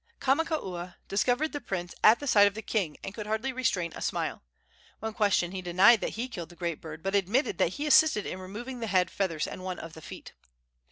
Kamakaua discovered the prince at the side of the king, and could hardly restrain a smile. When questioned he denied that he killed the great bird, but admitted that he assisted in removing the head, feathers and one of the feet.